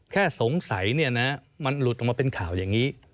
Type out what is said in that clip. แค่สงสัยเนี่ยนะมันหลุดออกมาเป็นข่าวอย่างนี้